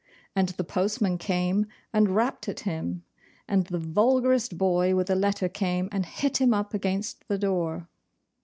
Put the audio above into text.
And the postman came and rapped at him, and the vulgarest boy with a letter came and hit him up against the door.